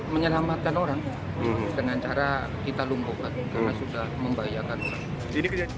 menyelamatkan orang dengan cara kita lumpuhkan karena sudah membahayakan